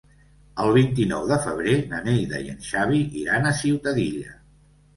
El vint-i-nou de febrer na Neida i en Xavi iran a Ciutadilla.